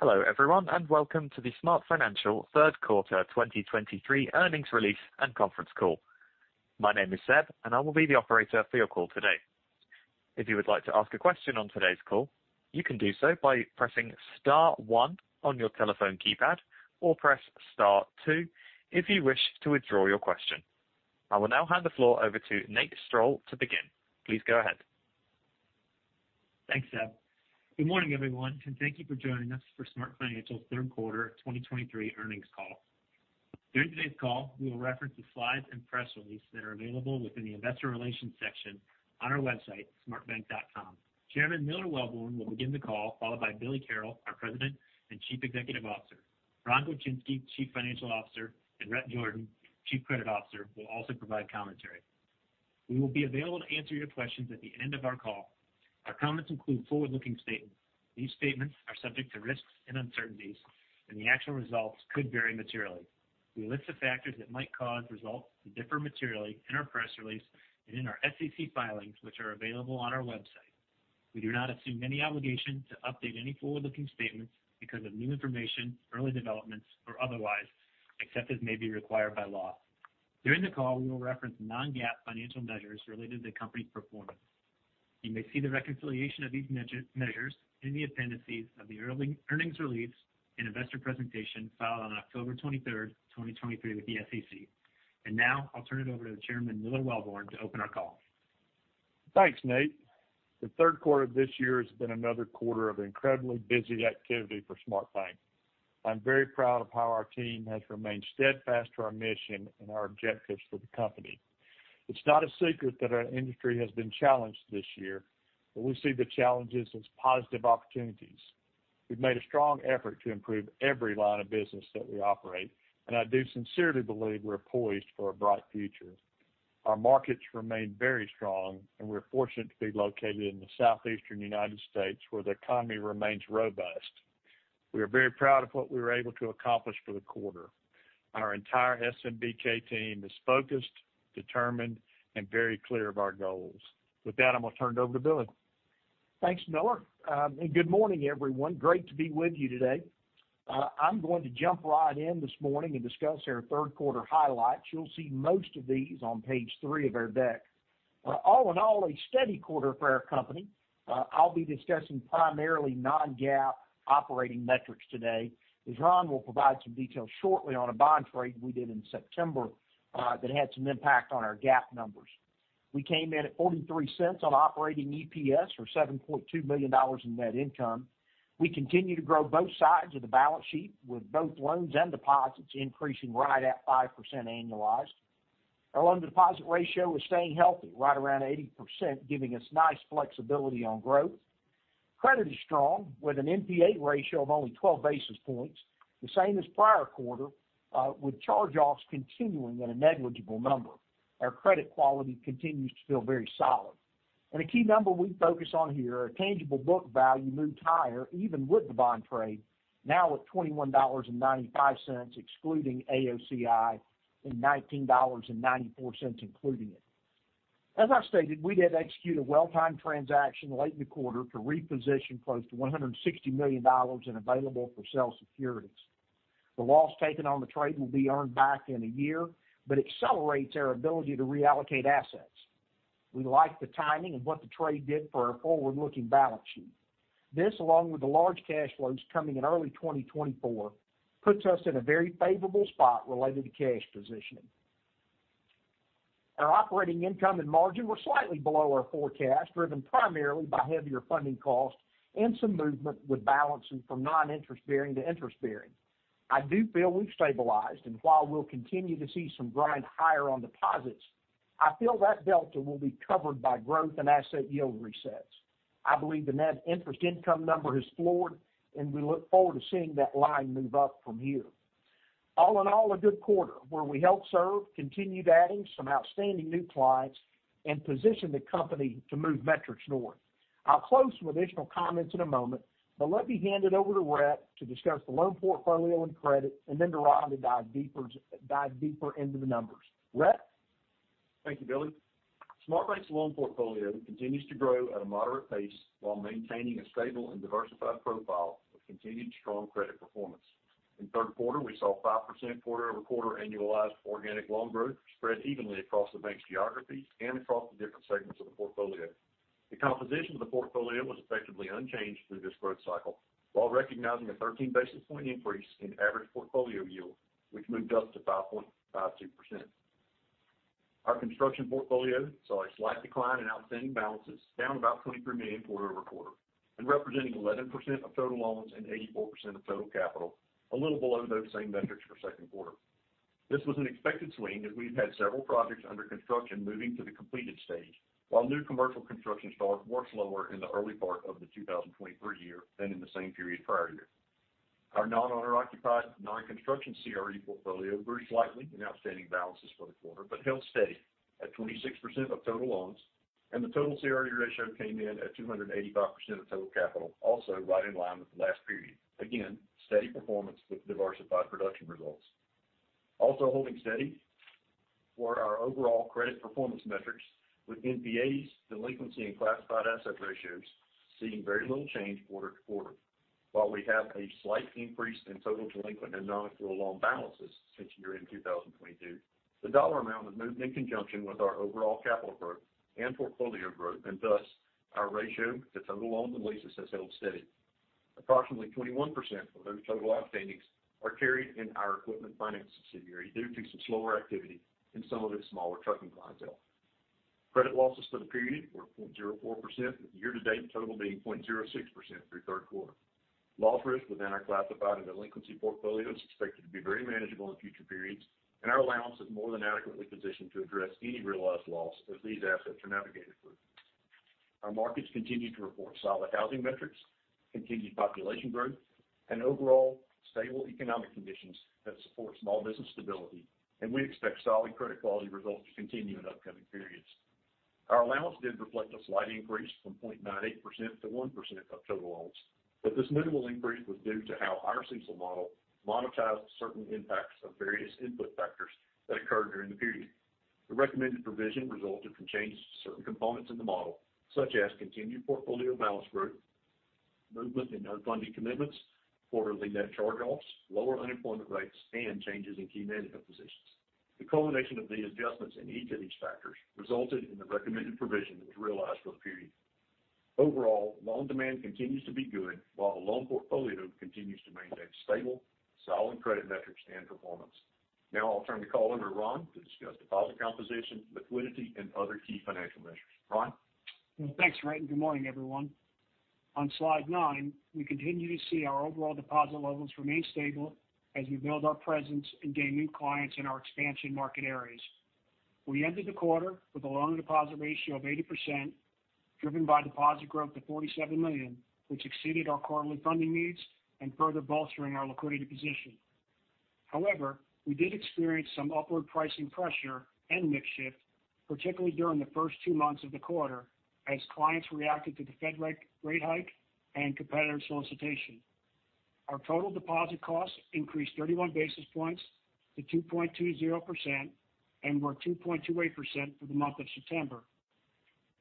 Hello, everyone, and welcome to the SmartFinancial third quarter 2023 earnings release and conference call. My name is Seb, and I will be the operator for your call today. If you would like to ask a question on today's call, you can do so by pressing star one on your telephone keypad, or press star two if you wish to withdraw your question. I will now hand the floor over to Nate Strall to begin. Please go ahead. Thanks, Seb. Good morning, everyone, and thank you for joining us for SmartFinancial's third quarter 2023 earnings call. During today's call, we will reference the slides and press release that are available within the investor relations section on our website, smartbank.com. Chairman Miller Welborn will begin the call, followed by Billy Carroll, our President and Chief Executive Officer. Ron Gorczynski, Chief Financial Officer, and Rhett Jordan, Chief Credit Officer, will also provide commentary. We will be available to answer your questions at the end of our call. Our comments include forward-looking statements. These statements are subject to risks and uncertainties, and the actual results could vary materially. We list the factors that might cause results to differ materially in our press release and in our SEC filings, which are available on our website. We do not assume any obligation to update any forward-looking statements because of new information, early developments, or otherwise, except as may be required by law. During the call, we will reference non-GAAP financial measures related to the company's performance. You may see the reconciliation of these measures in the appendices of the earnings release and investor presentation filed on October 23, 2023, with the SEC. And now I'll turn it over to Chairman Miller Welborn to open our call. Thanks, Nate. The third quarter of this year has been another quarter of incredibly busy activity for SmartBank. I'm very proud of how our team has remained steadfast to our mission and our objectives for the company. It's not a secret that our industry has been challenged this year, but we see the challenges as positive opportunities. We've made a strong effort to improve every line of business that we operate, and I do sincerely believe we're poised for a bright future. Our markets remain very strong, and we're fortunate to be located in the southeastern United States, where the economy remains robust. We are very proud of what we were able to accomplish for the quarter. Our entire SMBK team is focused, determined, and very clear of our goals. With that, I'm going to turn it over to Billy. Thanks, Miller. Good morning, everyone. Great to be with you today. I'm going to jump right in this morning and discuss our third quarter highlights. You'll see most of these on page 3 of our deck. All in all, a steady quarter for our company. I'll be discussing primarily non-GAAP operating metrics today, as Ron will provide some details shortly on a bond trade we did in September that had some impact on our GAAP numbers. We came in at $0.43 on operating EPS, or $7.2 million in net income. We continue to grow both sides of the balance sheet, with both loans and deposits increasing right at 5% annualized. Our loan-to-deposit ratio is staying healthy, right around 80%, giving us nice flexibility on growth. Credit is strong, with an NPA ratio of only 12 basis points, the same as prior quarter, with charge-offs continuing at a negligible number. Our credit quality continues to feel very solid. A key number we focus on here, our tangible book value moved higher, even with the bond trade, now at $21.95, excluding AOCI, and $19.94 including it. As I stated, we did execute a well-timed transaction late in the quarter to reposition close to $160 million in available-for-sale securities. The loss taken on the trade will be earned back in a year, but accelerates our ability to reallocate assets. We like the timing and what the trade did for our forward-looking balance sheet. This, along with the large cash flows coming in early 2024, puts us in a very favorable spot related to cash positioning. Our operating income and margin were slightly below our forecast, driven primarily by heavier funding costs and some movement with balances from non-interest bearing to interest bearing. I do feel we've stabilized, and while we'll continue to see some grind higher on deposits, I feel that delta will be covered by growth and asset yield resets. I believe the net interest income number has floored, and we look forward to seeing that line move up from here. All in all, a good quarter, where we helped serve, continued adding some outstanding new clients and positioned the company to move metrics north. I'll close with additional comments in a moment, but let me hand it over to Rhett to discuss the loan portfolio and credit, and then to Ron to dive deeper into the numbers. Rhett? Thank you, Billy. SmartBank's loan portfolio continues to grow at a moderate pace while maintaining a stable and diversified profile with continued strong credit performance. In third quarter, we saw 5% quarter-over-quarter annualized organic loan growth spread evenly across the bank's geography and across the different segments of the portfolio. The composition of the portfolio was effectively unchanged through this growth cycle, while recognizing a 13 basis points increase in average portfolio yield, which moved up to 5.52%. Our construction portfolio saw a slight decline in outstanding balances, down about $23 million quarter-over-quarter, and representing 11% of total loans and 84% of total capital, a little below those same metrics for second quarter. This was an expected swing, as we've had several projects under construction moving to the completed stage, while new commercial construction starts were slower in the early part of the 2023 year than in the same period prior year. Our non-owner occupied, non-construction CRE portfolio grew slightly in outstanding balances for the quarter, but held steady at 26% of total loans, and the total CRE ratio came in at 285% of total capital, also right in line with the last period. Again, steady performance with diversified production results. Also holding steady for our overall credit performance metrics, with NPAs, delinquency, and classified asset ratios seeing very little change quarter to quarter. While we have a slight increase in total delinquent and non-accrual loan balances since year-end 2022, the dollar amount has moved in conjunction with our overall capital growth and portfolio growth, and thus, our ratio to total loans and leases has held steady. Approximately 21% of those total outstandings are carried in our equipment finance subsidiary due to some slower activity in some of its smaller trucking clientele. Credit losses for the period were 0.04%, with the year-to-date total being 0.06% through third quarter. Loss risk within our classified and delinquency portfolio is expected to be very manageable in future periods, and our allowance is more than adequately positioned to address any realized loss as these assets are navigated through. Our markets continue to report solid housing metrics, continued population growth, and overall stable economic conditions that support small business stability, and we expect solid credit quality results to continue in upcoming periods. Our allowance did reflect a slight increase from 0.98% to 1% of total loans, but this minimal increase was due to how our CECL model monetized certain impacts of various input factors that occurred during the period. The recommended provision resulted from changes to certain components in the model, such as continued portfolio balance growth, movement in non-funding commitments, quarterly net charge-offs, lower unemployment rates, and changes in key management positions. The culmination of these adjustments in each of these factors resulted in the recommended provision that was realized for the period. Overall, loan demand continues to be good, while the loan portfolio continues to maintain stable, solid credit metrics and performance. Now I'll turn the call over to Ron to discuss deposit composition, liquidity, and other key financial measures. Ron? Well, thanks, Rhett, and good morning, everyone. On slide 9, we continue to see our overall deposit levels remain stable as we build our presence and gain new clients in our expansion market areas. We ended the quarter with a loan-to-deposit ratio of 80%, driven by deposit growth to $47 million, which exceeded our quarterly funding needs and further bolstering our liquidity position. However, we did experience some upward pricing pressure and mix shift, particularly during the first two months of the quarter, as clients reacted to the Fed rate hike and competitor solicitation. Our total deposit costs increased 31 basis points to 2.20% and were 2.28% for the month of September.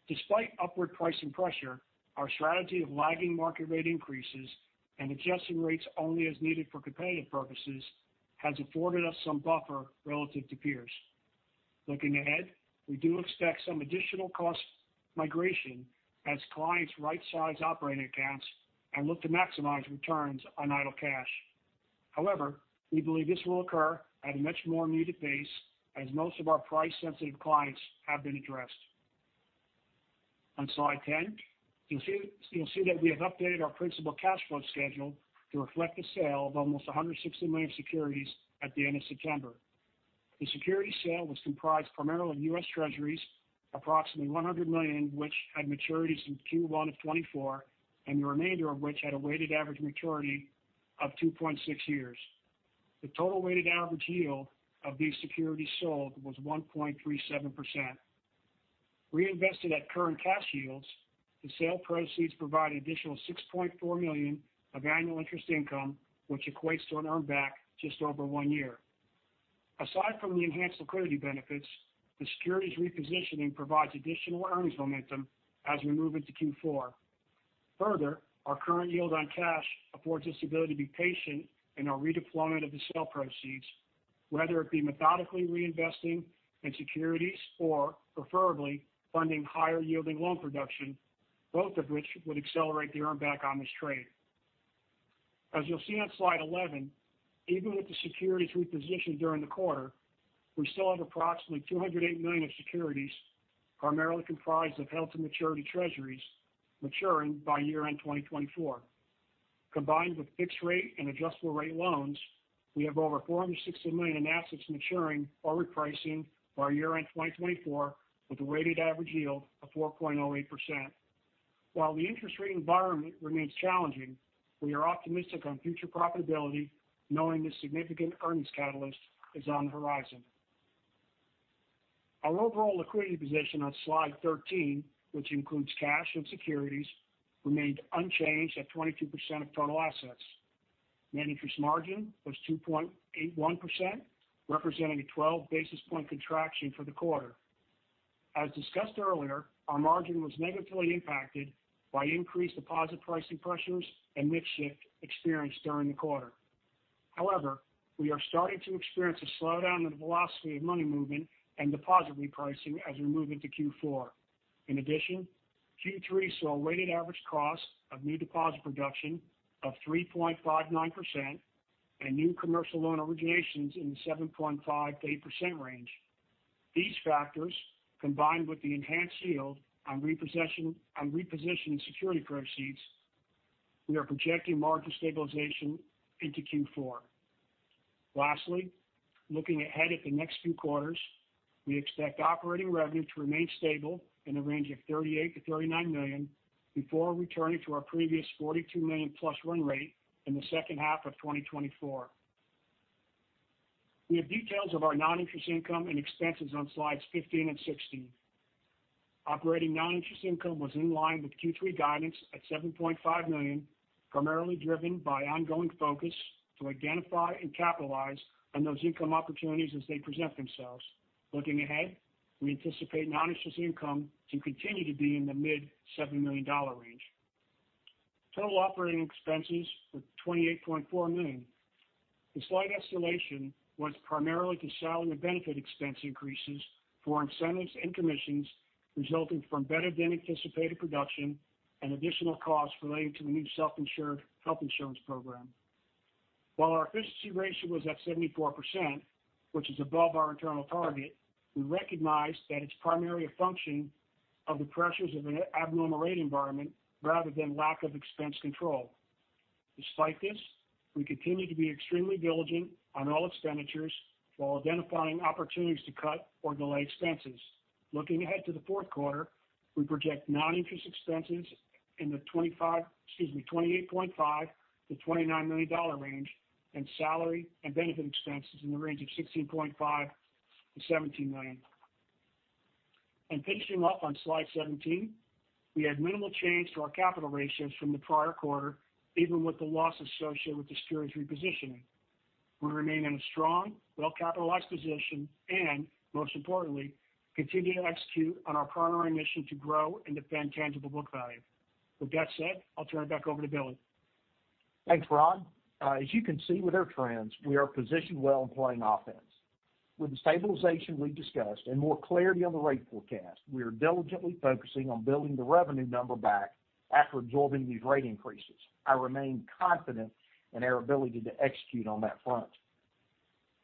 Despite upward pricing pressure, our strategy of lagging market rate increases and adjusting rates only as needed for competitive purposes has afforded us some buffer relative to peers. Looking ahead, we do expect some additional cost migration as clients rightsize operating accounts and look to maximize returns on idle cash. However, we believe this will occur at a much more muted pace as most of our price-sensitive clients have been addressed. On slide 10, you'll see that we have updated our principal cash flow schedule to reflect the sale of almost $160 million securities at the end of September. The security sale was comprised primarily of U.S. Treasuries, approximately $100 million, which had maturities in Q1 of 2024, and the remainder of which had a weighted average maturity of 2.6 years. The total weighted average yield of these securities sold was 1.37%. Reinvested at current cash yields, the sale proceeds provide an additional $6.4 million of annual interest income, which equates to an earn back just over one year. Aside from the enhanced liquidity benefits, the securities repositioning provides additional earnings momentum as we move into Q4. Further, our current yield on cash affords us the ability to be patient in our redeployment of the sale proceeds, whether it be methodically reinvesting in securities or preferably funding higher-yielding loan production, both of which would accelerate the earn back on this trade. As you'll see on slide 11, even with the securities repositioned during the quarter, we still have approximately 208 million of securities, primarily comprised of held-to-maturity Treasuries, maturing by year-end 2024. Combined with fixed-rate and adjustable-rate loans, we have over $460 million in assets maturing or repricing by year-end 2024, with a weighted average yield of 4.08%. While the interest rate environment remains challenging, we are optimistic on future profitability, knowing this significant earnings catalyst is on the horizon. Our overall liquidity position on slide 13, which includes cash and securities, remained unchanged at 22% of total assets. Net interest margin was 2.81%, representing a 12-basis point contraction for the quarter. As discussed earlier, our margin was negatively impacted by increased deposit pricing pressures and mix shift experienced during the quarter. However, we are starting to experience a slowdown in the velocity of money movement and deposit repricing as we move into Q4. In addition, Q3 saw a weighted average cost of new deposit production of 3.59% and new commercial loan originations in the 7.5%-8% range. These factors, combined with the enhanced yield on repositioned security proceeds, we are projecting margin stabilization into Q4. Lastly, looking ahead at the next two quarters, we expect operating revenue to remain stable in the range of $38 million-$39 million before returning to our previous $42 million+ run rate in the second half of 2024. We have details of our non-interest income and expenses on slides 15 and 16. operating non-interest income was in line with Q3 guidance at $7.5 million, primarily driven by ongoing focus to identify and capitalize on those income opportunities as they present themselves. Looking ahead, we anticipate non-interest income to continue to be in the mid-$7 million range. Total operating expenses were $28.4 million. The slight escalation was primarily to salary benefit expense increases for incentives and commissions, resulting from better than anticipated production and additional costs relating to the new self-insured health insurance program. While our efficiency ratio was at 74%, which is above our internal target, we recognize that it's primarily a function of the pressures of an abnormal rate environment rather than lack of expense control. Despite this, we continue to be extremely diligent on all expenditures while identifying opportunities to cut or delay expenses. Looking ahead to the fourth quarter, we project non-interest expenses in the 25—excuse me, $28.5 million-$29 million range, and salary and benefit expenses in the range of $16.5 million-$17 million. Pacing up on slide 17, we had minimal change to our capital ratios from the prior quarter, even with the loss associated with the securities repositioning. We remain in a strong, well-capitalized position and, most importantly, continue to execute on our primary mission to grow and defend tangible book value. With that said, I'll turn it back over to Billy. Thanks, Ron. As you can see with our trends, we are positioned well in playing offense. With the stabilization we discussed and more clarity on the rate forecast, we are diligently focusing on building the revenue number back after absorbing these rate increases. I remain confident in our ability to execute on that front.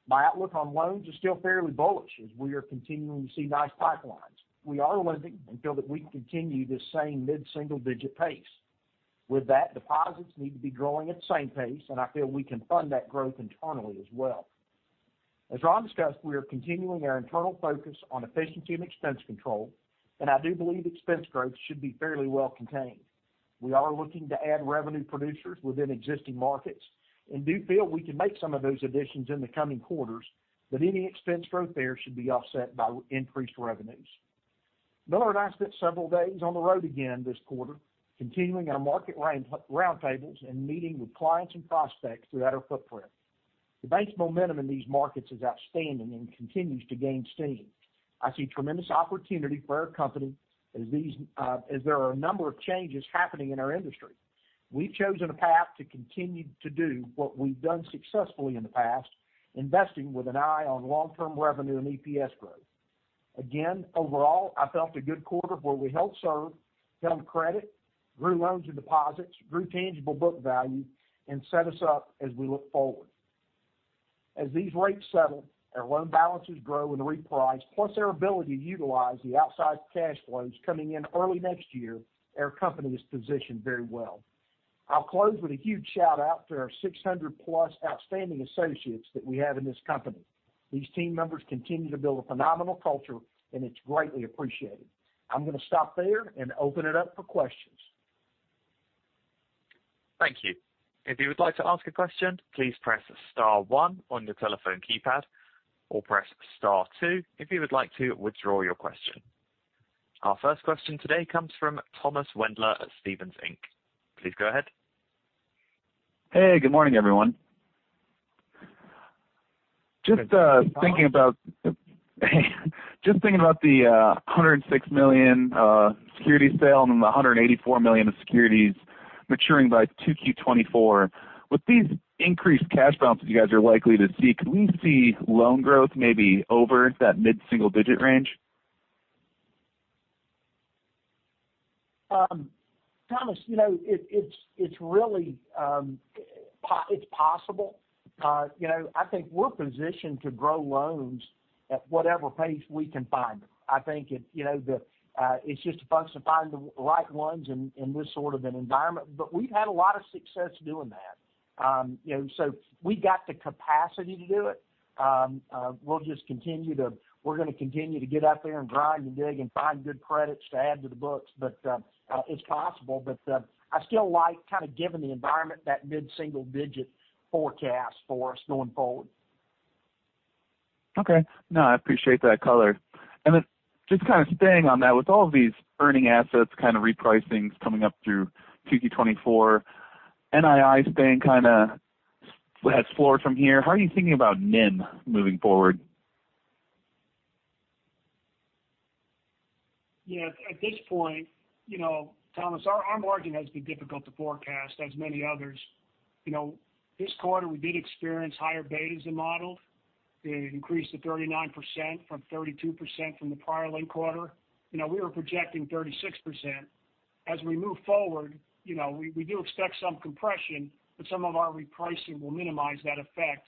My outlook on loans is still fairly bullish, as we are continuing to see nice pipelines. We are lending and feel that we can continue this same mid-single-digit pace. With that, deposits need to be growing at the same pace, and I feel we can fund that growth internally as well. As Ron discussed, we are continuing our internal focus on efficiency and expense control, and I do believe expense growth should be fairly well contained. We are looking to add revenue producers within existing markets and do feel we can make some of those additions in the coming quarters, but any expense growth there should be offset by increased revenues. Miller and I spent several days on the road again this quarter, continuing our market roundtables and meeting with clients and prospects throughout our footprint. The bank's momentum in these markets is outstanding and continues to gain steam. I see tremendous opportunity for our company as these, as there are a number of changes happening in our industry. We've chosen a path to continue to do what we've done successfully in the past, investing with an eye on long-term revenue and EPS growth. Again, overall, I felt a good quarter where we helped serve, held credit, grew loans and deposits, grew tangible book value, and set us up as we look forward. As these rates settle, our loan balances grow and reprice, plus our ability to utilize the outside cash flows coming in early next year, our company is positioned very well. I'll close with a huge shout-out to our 600+ outstanding associates that we have in this company. These team members continue to build a phenomenal culture, and it's greatly appreciated. I'm going to stop there and open it up for questions. Thank you. If you would like to ask a question, please press star one on your telephone keypad, or press star two if you would like to withdraw your question. Our first question today comes from Thomas Wendler at Stephens Inc. Please go ahead. Hey, good morning, everyone. Just thinking about the $106 million securities sale and the $184 million of securities maturing by 2Q 2024. With these increased cash balances you guys are likely to see, could we see loan growth maybe over that mid-single-digit range? Thomas, you know, it's really possible. You know, I think we're positioned to grow loans at whatever pace we can find them. I think you know, it's just a function of finding the right ones in this sort of an environment. But we've had a lot of success doing that. You know, so we've got the capacity to do it. We'll just continue to get out there and grind and dig and find good credits to add to the books. But it's possible, but I still like, kind of given the environment, that mid-single-digit forecast for us going forward. Okay. No, I appreciate that color. And then just kind of staying on that, with all of these earning assets kind of repricings coming up through Q2 2024, NII staying kinda, has floor from here, how are you thinking about NIM moving forward? Yeah, at this point, you know, Thomas, our, our margin has been difficult to forecast, as many others. You know, this quarter, we did experience higher betas than modeled. It increased to 39% from 32% from the prior linked quarter. You know, we were projecting 36%. As we move forward, you know, we, we do expect some compression, but some of our repricing will minimize that effect.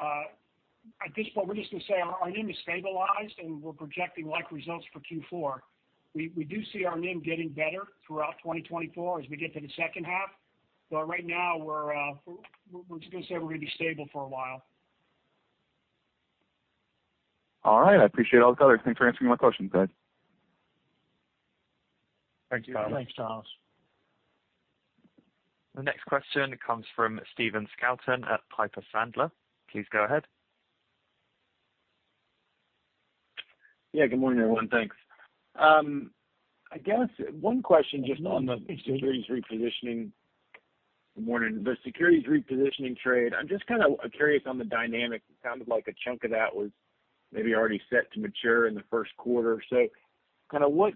At this point, we're just going to say our, our NIM is stabilized, and we're projecting like results for Q4. We, we do see our NIM getting better throughout 2024 as we get to the second half, but right now we're, we're, we're just going to say we're going to be stable for a while. All right. I appreciate all the color. Thanks for answering my questions, guys. Thank you, Thomas. The next question comes from Stephen Scouten at Piper Sandler. Please go ahead. Yeah, good morning, everyone. Thanks. I guess one question just on the securities repositioning. Good morning. The securities repositioning trade, I'm just kind of curious on the dynamic. It sounded like a chunk of that was maybe already set to mature in the first quarter. So kind of what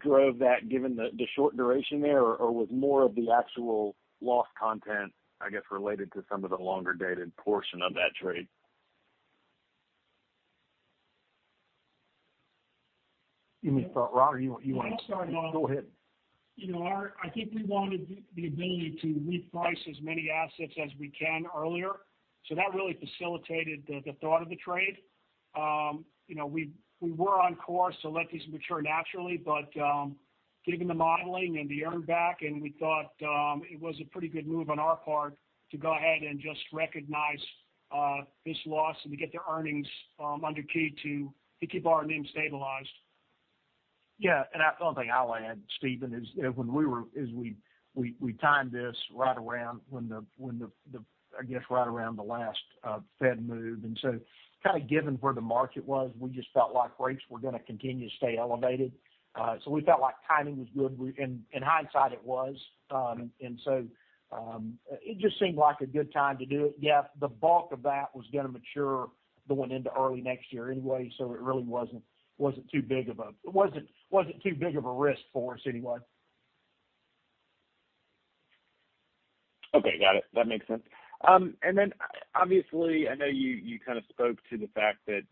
drove that, given the short duration there? Or was more of the actual loss content, I guess, related to some of the longer-dated portion of that trade? You mean, Ron, or you want to- Yeah, I'll start off. Go ahead. You know, I think we wanted the ability to reprice as many assets as we can earlier, so that really facilitated the thought of the trade. You know, we were on course to let these mature naturally, but given the modeling and the earn back, and we thought it was a pretty good move on our part to go ahead and just recognize this loss and to get the earnings under key to keep our name stabilized. Yeah, and the only thing I'll add, Stephen, is when we timed this right around the last Fed move. And so kind of given where the market was, we just felt like rates were going to continue to stay elevated. So we felt like timing was good. And in hindsight, it was. And so, it just seemed like a good time to do it. Yeah, the bulk of that was going to mature going into early next year anyway, so it really wasn't too big of a risk for us anyway. Okay, got it. That makes sense. And then obviously, I know you kind of spoke to the fact that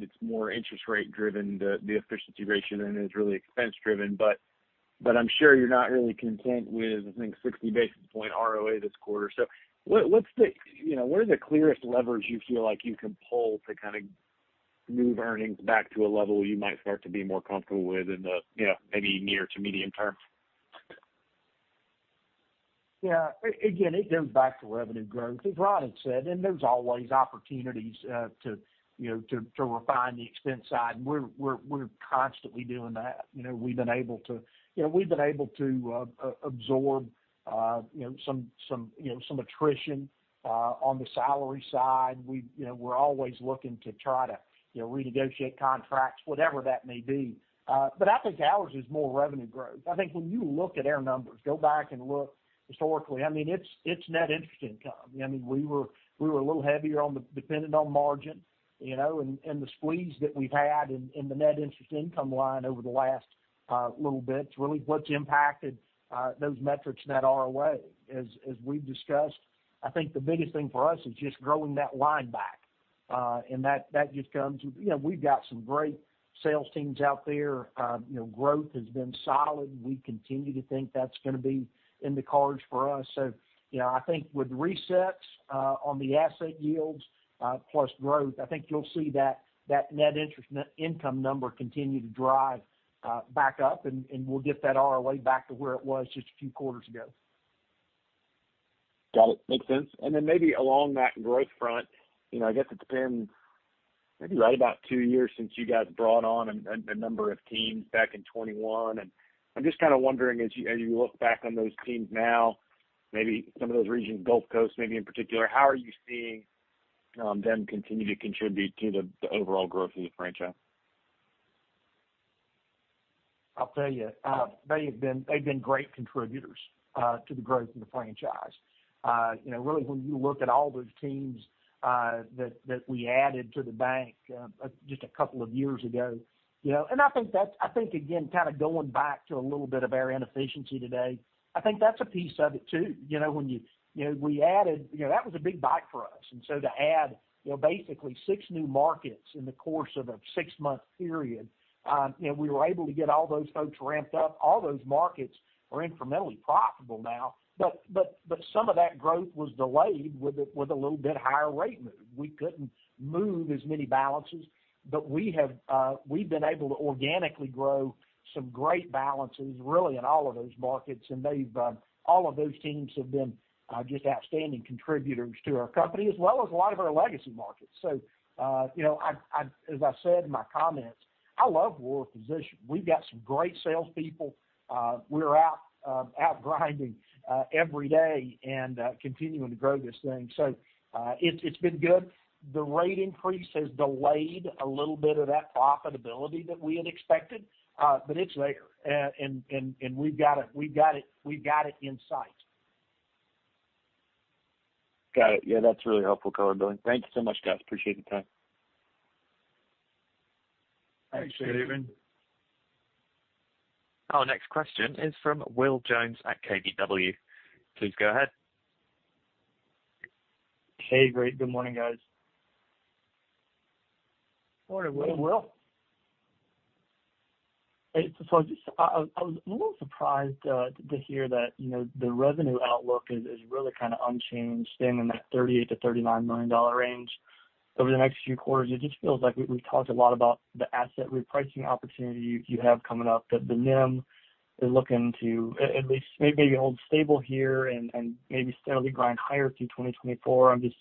it's more interest rate driven, the efficiency ratio, and it's really expense driven. But I'm sure you're not really content with, I think, 60 basis points ROA this quarter. So what's the, you know, what are the clearest levers you feel like you can pull to kind of move earnings back to a level you might start to be more comfortable with in the, you know, maybe near to medium term? Yeah. Again, it goes back to revenue growth, as Ron had said, and there's always opportunities, to you know to refine the expense side. We're constantly doing that. You know, we've been able to you know, we've been able to absorb, you know some you know some attrition on the salary side. We you know we're always looking to try to you know renegotiate contracts, whatever that may be. But I think ours is more revenue growth. I think when you look at our numbers, go back and look historically, I mean, it's net interest income. I mean, we were, we were a little heavier on the dependent on margin, you know, and, and the squeeze that we've had in, in the net interest income line over the last, little bit, it's really what's impacted, those metrics net ROA. As, as we've discussed, I think the biggest thing for us is just growing that line back, and that, that just comes you know, we've got some great sales teams out there. You know, growth has been solid. We continue to think that's going to be in the cards for us. So, you know, I think with resets, on the asset yields, plus growth, I think you'll see that, that net interest income number continue to drive, back up, and, and we'll get that ROA back to where it was just a few quarters ago. Got it. Makes sense. Then maybe along that growth front, you know, I guess it's been maybe right about two years since you guys brought on a number of teams back in 2021. And I'm just kind of wondering, as you look back on those teams now, maybe some of those regions, Gulf Coast, maybe in particular, how are you seeing them continue to contribute to the overall growth of the franchise? I'll tell you, they have been—they've been great contributors to the growth of the franchise. You know, really, when you look at all those teams that we added to the bank just a couple of years ago, you know. I think that's, I think, again, kind of going back to a little bit of our inefficiency today, I think that's a piece of it, too. You know, when you know, we added, you know, that was a big buy for us. And so to add, you know, basically six new markets in the course of a six-month period, and we were able to get all those folks ramped up. All those markets are incrementally profitable now, but some of that growth was delayed with a little bit higher rate move. We couldn't move as many balances, but we have, we've been able to organically grow some great balances, really, in all of those markets. And they've all of those teams have been just outstanding contributors to our company, as well as a lot of our legacy markets. So, you know, I, I, as I said in my comments, I love our position. We've got some great salespeople. We're out, out grinding every day and continuing to grow this thing. So, it's, it's been good. The rate increase has delayed a little bit of that profitability that we had expected, but it's there and, and, and we've got it, we've got it, we've got it in sight. Got it. Yeah, that's really helpful color, Billy. Thank you so much, guys. Appreciate the time. Thanks. Good evening. Our next question is from Will Jones at KBW. Please go ahead. Hey, great. Good morning, guys. Morning, Will. Morning, Will. Hey, so I was a little surprised to hear that, you know, the revenue outlook is really kind of unchanged, staying in that $38 million-$39 million range over the next few quarters. It just feels like we've talked a lot about the asset repricing opportunity you have coming up, that the NIM is looking to at least maybe hold stable here and maybe steadily grind higher through 2024. I'm just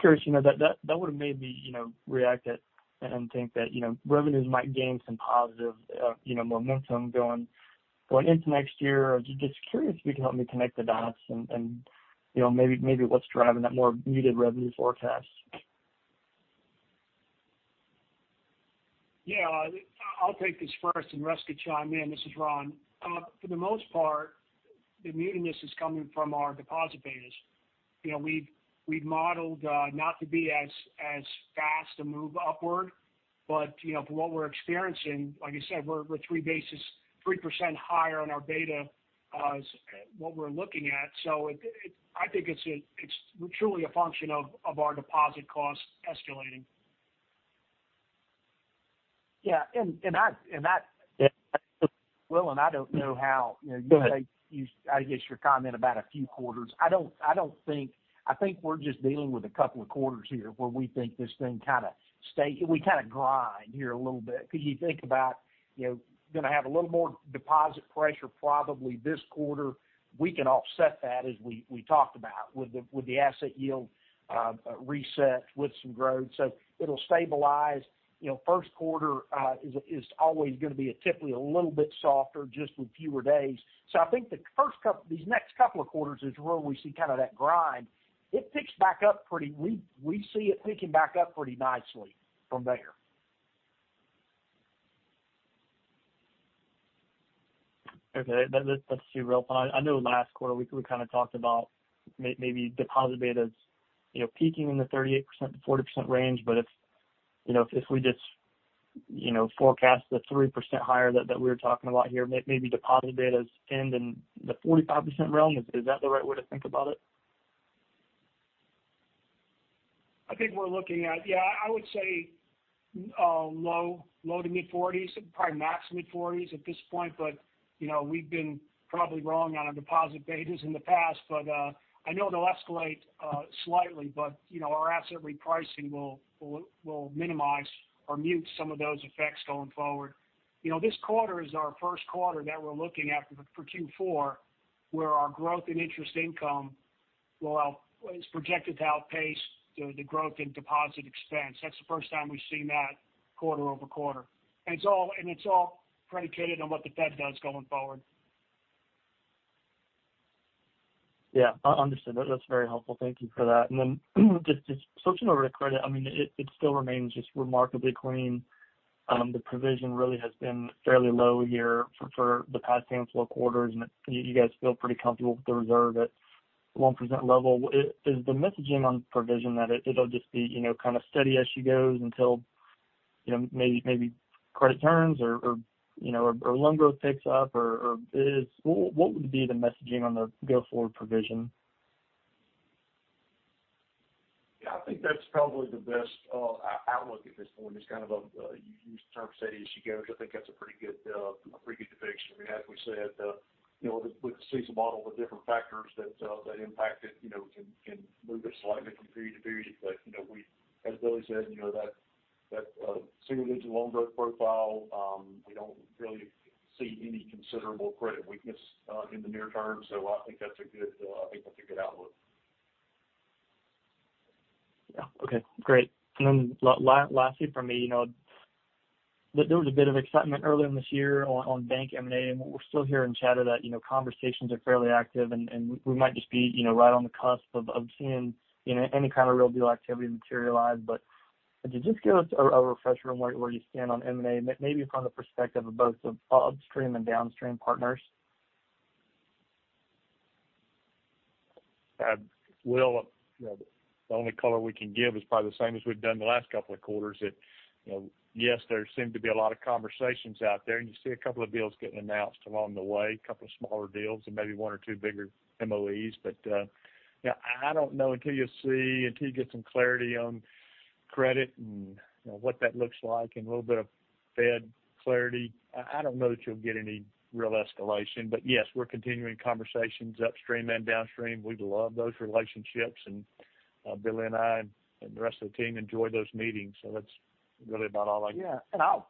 curious, you know, that would have made me, you know, react at and think that, you know, revenues might gain some positive, you know, momentum going into next year. Just curious if you can help me connect the dots and, you know, maybe what's driving that more muted revenue forecast? Yeah, I'll take this first, and the rest could chime in. This is Ron. For the most part, the muteness is coming from our deposit betas. You know, we've modeled, not to be as fast a move upward, but, you know, from what we're experiencing, like I said, we're three basis- 3% higher on our beta, what we're looking at. So it, it-- I think it's a, it's truly a function of, of our deposit costs escalating. Yeah, and that, Will, and I don't know how, you know- Go ahead. Yeah, I guess, your comment about a few quarters. I don't think. I think we're just dealing with a couple of quarters here, where we think this thing kind of – we kind of grind here a little bit. Because you think about, you know, going to have a little more deposit pressure probably this quarter. We can offset that, as we talked about, with the asset yield reset with some growth. So it'll stabilize. You know, first quarter is always going to be typically a little bit softer, just with fewer days. So I think these next couple of quarters is where we see kind of that grind. It picks back up – we see it picking back up pretty nicely from there. Okay, that's too real. I know last quarter, we kind of talked about maybe deposit betas, you know, peaking in the 38%-40% range. But if, you know, we just, you know, forecast the 3% higher that we're talking about here, maybe deposit betas end in the 45% realm, is that the right way to think about it? I think we're looking at. Yeah, I would say low to mid-40s, probably max mid-40s at this point. But, you know, we've been probably wrong on our deposit betas in the past, but I know they'll escalate slightly, but, you know, our asset repricing will minimize or mute some of those effects going forward. You know, this quarter is our first quarter that we're looking at for Q4, where our growth in interest income is projected to outpace the growth in deposit expense. That's the first time we've seen that quarter-over-quarter. And it's all predicated on what the Fed does going forward. Yeah, understood. That's very helpful. Thank you for that. And then, just switching over to credit, I mean, it still remains just remarkably clean. The provision really has been fairly low here for the past handful of quarters, and you guys feel pretty comfortable with the reserve at 1% level. Is the messaging on provision that it'll just be, you know, kind of steady as she goes until, you know, maybe credit turns or, or you know, or loan growth picks up, or is. What would be the messaging on the go-forward provision? Yeah, I think that's probably the best outlook at this point, is kind of, you used the term, steady as she goes. I think that's a pretty good, a pretty good depiction. We have, we said, you know, with the CECL model, the different factors that, that impact it, you know, can move it slightly from period to period. But, you know, we, as Billy said, you know, that, single-digit loan growth profile, we don't really see any considerable credit weakness, in the near term. So I think that's a good, I think that's a good outlook. Yeah. Okay, great. And then lastly for me, you know, there was a bit of excitement earlier in this year on bank M&A, and we're still hearing chatter that, you know, conversations are fairly active, and we might just be, you know, right on the cusp of seeing, you know, any kind of real deal activity materialize. But could you just give us a refresher on where you stand on M&A, maybe from the perspective of both the upstream and downstream partners? Will, you know, the only color we can give is probably the same as we've done the last couple of quarters. That, you know, yes, there seem to be a lot of conversations out there, and you see a couple of deals getting announced along the way, a couple of smaller deals and maybe one or two bigger MOEs. But, yeah, I don't know until you see, until you get some clarity on credit and, you know, what that looks like and a little bit of Fed clarity, I don't know that you'll get any real escalation. But yes, we're continuing conversations upstream and downstream. We love those relationships, and, Billy and I, and the rest of the team enjoy those meetings. So that's really about all I can—Yeah, and I'll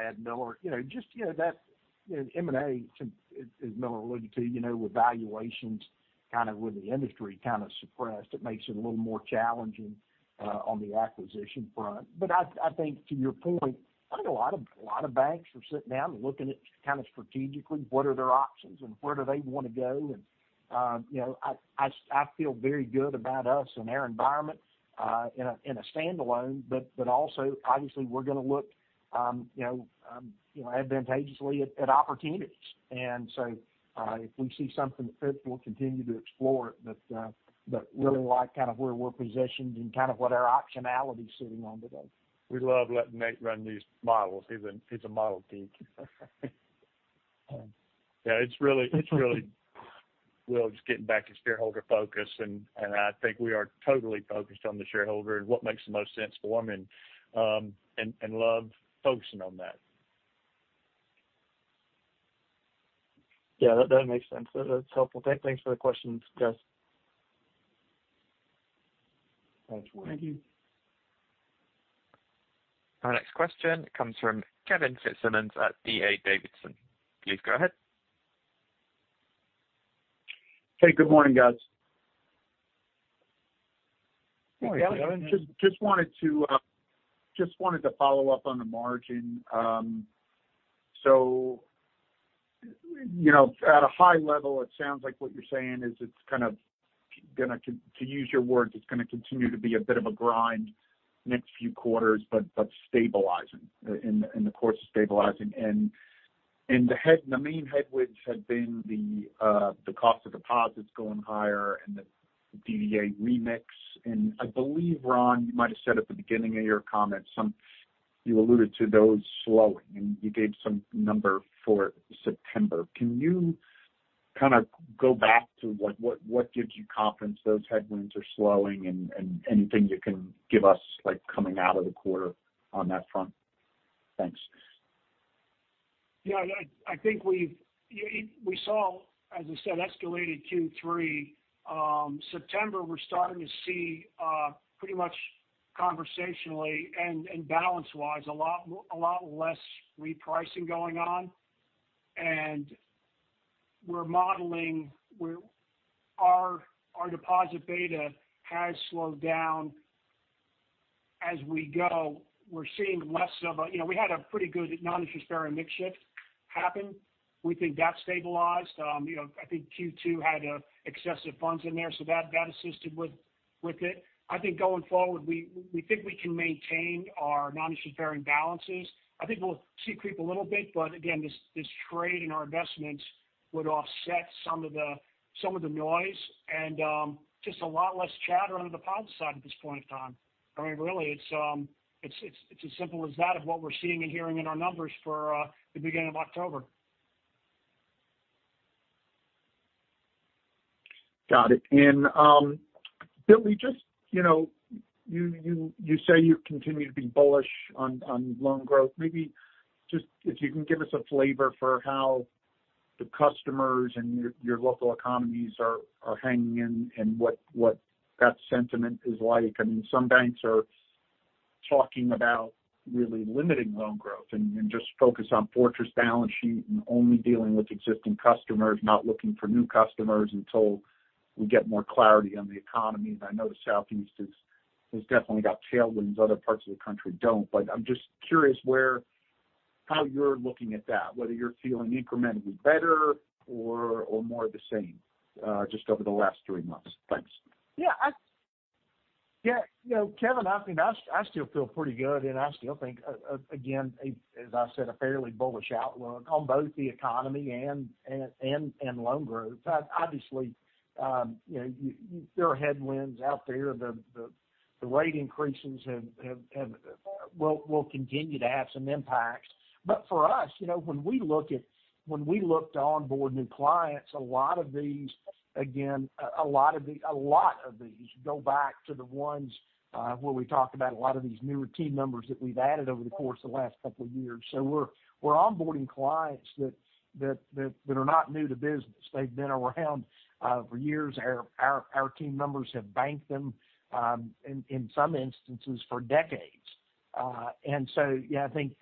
add, Miller. You know, just, you know, that, you know, M&A, as Miller alluded to, you know, with valuations kind of with the industry kind of suppressed, it makes it a little more challenging on the acquisition front. But I think to your point, I think a lot of banks are sitting down and looking at kind of strategically, what are their options and where do they want to go. And, you know, I feel very good about us and our environment in a standalone, but also, obviously, we're going to look, you know, advantageously at opportunities. And so, if we see something that fits, we'll continue to explore it. But really like kind of where we're positioned and kind of what our optionality is sitting on today. We love letting Nate run these models. He's a model geek. Yeah, it's really, it's really, Will, just getting back to shareholder focus, and I think we are totally focused on the shareholder and what makes the most sense for them, and love focusing on that. Yeah, that, that makes sense. That's helpful. Thank, thanks for the questions, guys. Thanks, Will. Thank you. Our next question comes from Kevin Fitzsimmons at D.A. Davidson. Please go ahead. Hey, good morning, guys. Morning, Kevin. Just wanted to follow up on the margin. So, you know, at a high level, it sounds like what you're saying is it's kind of gonna, to use your words, it's gonna continue to be a bit of a grind next few quarters, but stabilizing, in the course of stabilizing. The main headwinds had been the cost of deposits going higher and the DDA remix. I believe, Ron, you might have said at the beginning of your comments, some. You alluded to those slowing, and you gave some number for September. Can you kind of go back to what gives you confidence those headwinds are slowing, and anything you can give us, like, coming out of the quarter on that front? Thanks. Yeah, I think we saw, as I said, escalated Q3. September, we're starting to see, pretty much conversationally and balance-wise, a lot less repricing going on. And we're modeling our deposit beta has slowed down as we go. We're seeing less of a— You know, we had a pretty good non-interest-bearing mix shift happen. We think that stabilized. You know, I think Q2 had excessive funds in there, so that assisted with it. I think going forward, we think we can maintain our non-interest-bearing balances. I think we'll see it creep a little bit, but again, this trade in our investments would offset some of the noise and just a lot less chatter on the deposit side at this point in time. I mean, really, it's as simple as that of what we're seeing and hearing in our numbers for the beginning of October. Got it. Billy, just, you know, you say you continue to be bullish on loan growth. Maybe just if you can give us a flavor for how the customers and your local economies are hanging in, and what that sentiment is like. I mean, some banks are talking about really limiting loan growth and just focus on fortress balance sheet and only dealing with existing customers, not looking for new customers until we get more clarity on the economy. I know the Southeast has definitely got tailwinds, other parts of the country don't. But I'm just curious where, how you're looking at that, whether you're feeling incrementally better or more the same, just over the last three months. Thanks. Yeah, yeah, you know, Kevin, I think I still feel pretty good, and I still think, again, as I said, a fairly bullish outlook on both the economy and loan growth. Obviously, you know, there are headwinds out there. The rate increases will continue to have some impacts. But for us, you know, when we look to onboard new clients, a lot of these, again, a lot of these go back to the ones where we talked about a lot of these newer team members that we've added over the course of the last couple of years. So we're onboarding clients that are not new to business. They've been around for years. Our team members have banked them in some instances for decades. And so, yeah, I think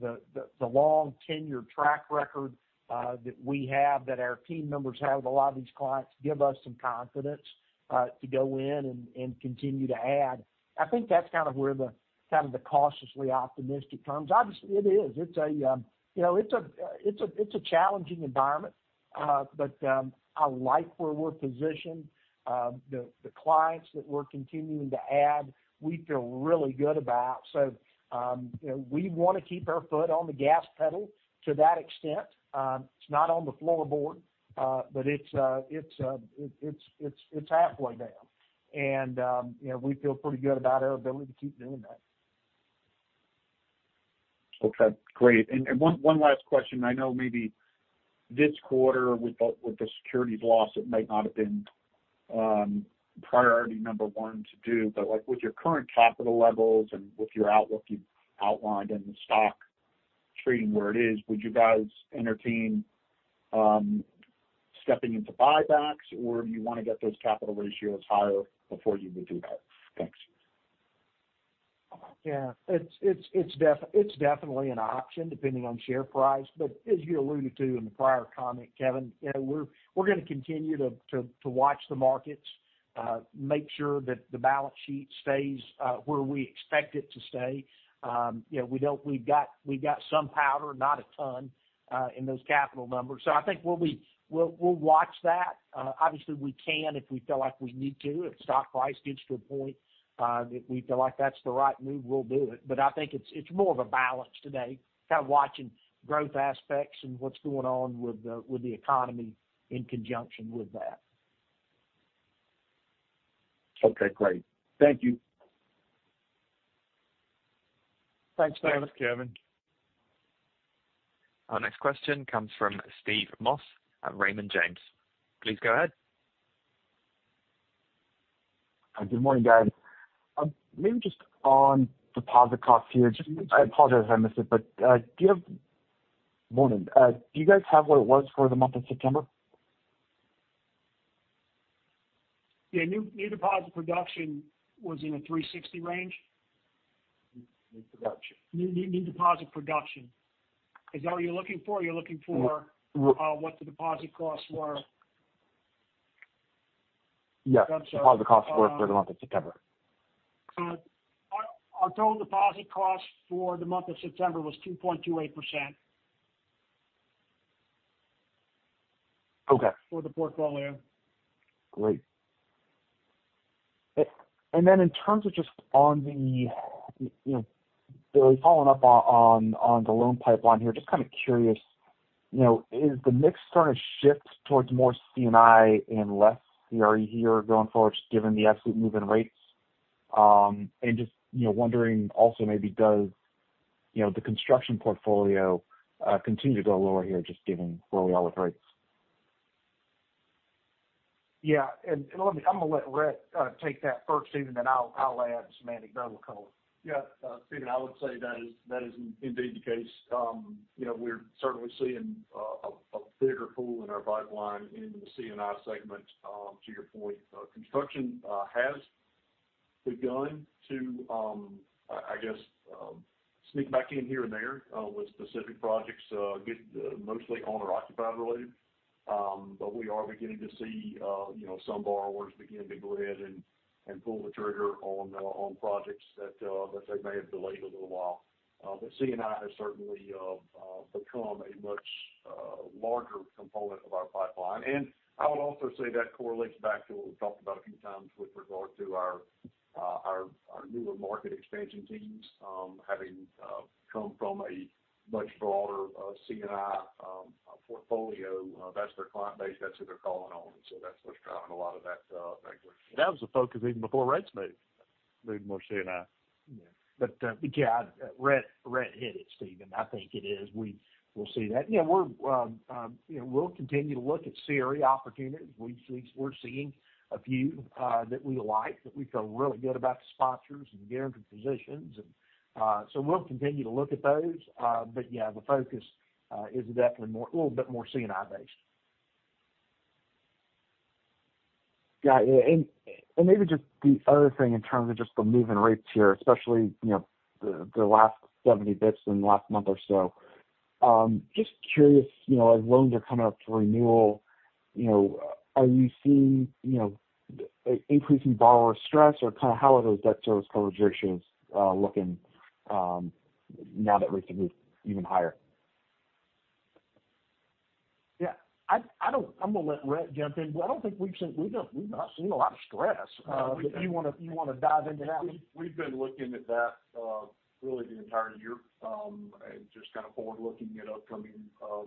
the long tenure track record that we have, that our team members have with a lot of these clients, give us some confidence to go in and continue to add. I think that's kind of where the cautiously optimistic terms. Obviously, it is. It's a, you know, it's a challenging environment, but I like where we're positioned. The clients that we're continuing to add, we feel really good about. So, you know, we want to keep our foot on the gas pedal to that extent. It's not on the floorboard, but it's halfway down. You know, we feel pretty good about our ability to keep doing that. Okay, great. And one last question. I know maybe this quarter with the securities loss, it might not have been priority number one to do. But, like, with your current capital levels and with your outlook you've outlined, and the stock trading where it is, would you guys entertain stepping into buybacks, or do you want to get those capital ratios higher before you would do that? Thanks. Yeah, it's definitely an option, depending on share price. But as you alluded to in the prior comment, Kevin, you know, we're gonna continue to watch the markets, make sure that the balance sheet stays where we expect it to stay. You know, we've got some powder, not a ton in those capital numbers. So I think we'll watch that. Obviously, we can, if we feel like we need to, if stock price gets to a point that we feel like that's the right move, we'll do it. But I think it's more of a balance today, kind of watching growth aspects and what's going on with the economy in conjunction with that. Okay, great. Thank you. Thanks, Kevin. Our next question comes from Steve Moss at Raymond James. Please go ahead. Hi, good morning, guys. Maybe just on deposit costs here. I apologize if I missed it, but do you have morning, do you guys have what it was for the month of September? Yeah, new, new deposit production was in a 360 range? New production. New, new deposit production. Is that what you're looking for? You're looking for, what the deposit costs were? Yes. I'm sorry. What the costs were for the month of September? Our total deposit costs for the month of September was 2.28%. Okay. For the portfolio. Great. And then in terms of just on the, you know, following up on the loan pipeline here, just kind of curious, you know, has the mix kind of shift towards more C&I and less CRE here going forward, just given the absolute move in rates? And just, you know, wondering also maybe does, you know, the construction portfolio continue to go lower here, just given where we are with rates? Yeah, and let me—I'm going to let Rhett take that first, Steve, then I'll add some anecdotal color. Yeah. Steve, I would say that is, that is indeed the case. You know, we're certainly seeing a bigger pool in our pipeline in the C&I segment. To your point, construction has begun to, I guess, sneak back in here and there with specific projects, get mostly owner-occupied related. But we are beginning to see, you know, some borrowers begin to go ahead and pull the trigger on projects that they may have delayed a little while. But C&I has certainly become a much larger component of our pipeline. I would also say that correlates back to what we've talked about a few times with regard to our newer market expansion teams, having come from a much broader C&I portfolio. That's their client base, that's who they're calling on. So that's what's driving a lot of that language. That was the focus even before rates moved more C&I. Yeah. But yeah, Rhett, Rhett hit it, Steve. I think it is. We'll see that. Yeah, we're, you know, we'll continue to look at CRE opportunities. We're seeing a few that we like, that we feel really good about the sponsors and guaranteed positions and, so we'll continue to look at those. But yeah, the focus is definitely more, a little bit more C&I based. Got it. And maybe just the other thing in terms of just the move in rates here, especially, you know, the last 70 basis points in the last month or so. Just curious, you know, as loans are coming up to renewal, you know, are you seeing, you know, increasing borrower stress or kind of how are those debt service coverage ratios looking now that rates have moved even higher? Yeah, I don't. I'm going to let Rhett jump in, but I don't think we've seen. We've not seen a lot of stress. Do you want to, do you want to dive into that? We've been looking at that really the entire year, and just kind of forward-looking at upcoming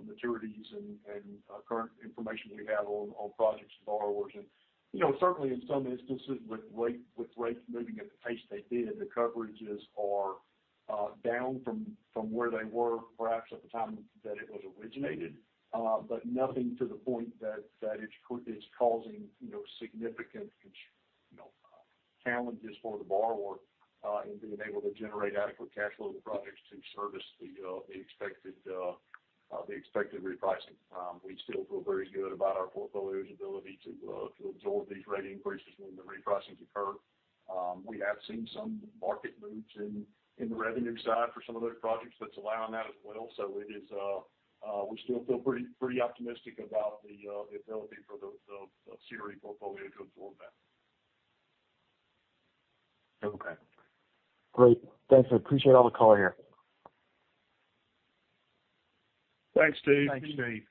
maturities and current information we have on projects and borrowers. And, you know, certainly in some instances, with rates moving at the pace they did, the coverages are down from where they were perhaps at the time that it was originated. But nothing to the point that it's causing, you know, significant, you know, challenges for the borrower in being able to generate adequate cash flow of the projects to service the expected repricing. We still feel very good about our portfolio's ability to absorb these rate increases when the repricing occur. We have seen some market moves in the revenue side for some of those projects that's allowing that as well. So it is, we still feel pretty, pretty optimistic about the ability for the CRE portfolio to absorb that. Okay, great. Thanks, I appreciate all the color here. Thanks, Steve. Thanks, Steve.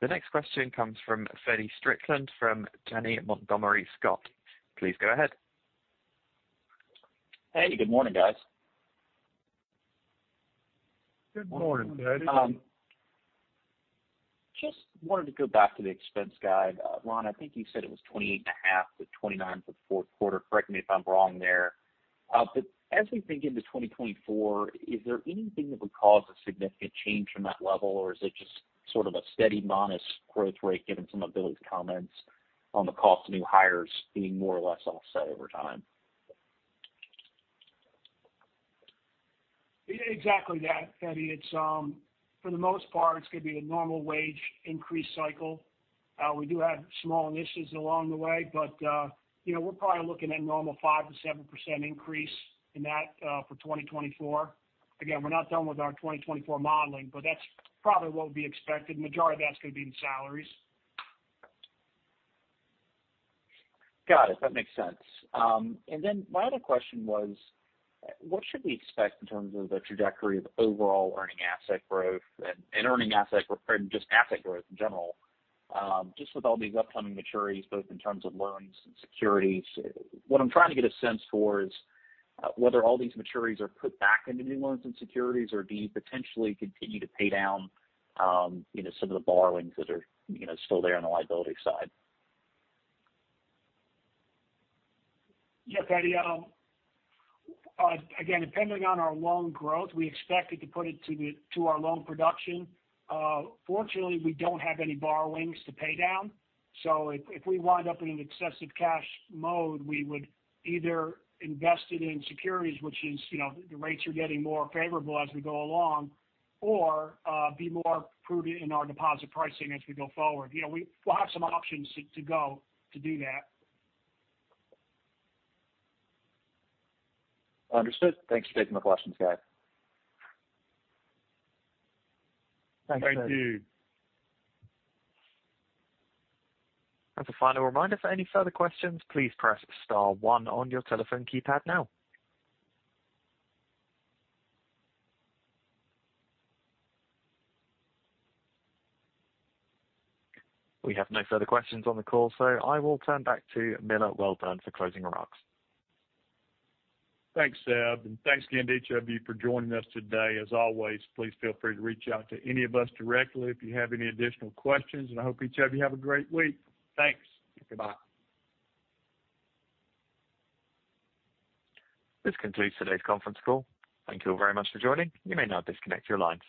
The next question comes from Freddie Strickland, from Janney Montgomery Scott. Please go ahead. Hey, good morning, guys. Good morning, Freddie. Just wanted to go back to the expense guide. Ron, I think you said it was $28.5-$29 for the fourth quarter. Correct me if I'm wrong there. But as we think into 2024, is there anything that would cause a significant change from that level? Or is it just sort of a steady, modest growth rate, given some of Billy's comments on the cost of new hires being more or less offset over time? Exactly that, Freddie. It's, for the most part, it's going to be a normal wage increase cycle. We do have small initiatives along the way, but, you know, we're probably looking at normal 5%-7% increase in that, for 2024. Again, we're not done with our 2024 modeling, but that's probably what would be expected. Majority of that's going to be in salaries. Got it. That makes sense. And then my other question was, what should we expect in terms of the trajectory of overall earning asset growth and, and earning asset, or just asset growth in general? Just with all these upcoming maturities, both in terms of loans and securities. What I'm trying to get a sense for is, whether all these maturities are put back into new loans and securities, or do you potentially continue to pay down, you know, some of the borrowings that are, you know, still there on the liability side? Yeah, Freddie, again, depending on our loan growth, we expect it to put it to our loan production. Fortunately, we don't have any borrowings to pay down, so if we wind up in an excessive cash mode, we would either invest it in securities, which is, you know, the rates are getting more favorable as we go along, or be more prudent in our deposit pricing as we go forward. You know, we'll have some options to do that. Understood. Thanks for taking my questions, guys. Thanks. Thank you. As a final reminder, for any further questions, please press star one on your telephone keypad now. We have no further questions on the call, so I will turn back to Miller Welborn for closing remarks. Thanks, Seb, and thanks again to each of you for joining us today. As always, please feel free to reach out to any of us directly if you have any additional questions, and I hope each of you have a great week. Thanks. Goodbye. This concludes today's conference call. Thank you very much for joining. You may now disconnect your lines.